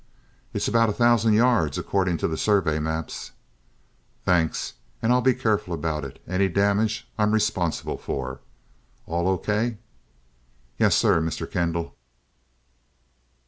"It's about a thousand yards, according to the survey maps." "Thanks and I'll be careful about it. Any damage, I am responsible for? All okay?" "Yes, sir, Mr. Kendall."